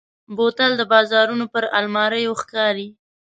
بوتل د بازارونو پر الماریو ښکاري.